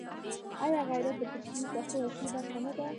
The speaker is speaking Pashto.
آیا غیرت د پښتون د شخصیت اصلي برخه نه ده؟